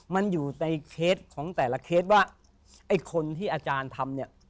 มันอยู่ในเคสของแต่ละเคสว่าไอ้คนที่อาจารย์ทำเนี่ย